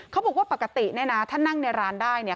เขาบอกว่าปกติเนี่ยนะถ้านั่งในร้านได้เนี่ย